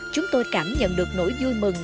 chúng tôi cảm nhận được nỗi vui mừng